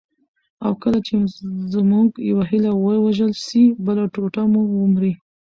او کله چي زموږ یوه هیله ووژل سي، بله ټوټه مو ومري.